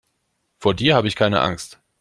Vor dir habe ich keine Angst.